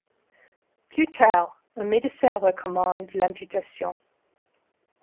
Plus tard, un médecin recommande l'amputation.